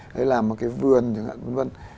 hay làm một cái vườn chẳng hạn vân vân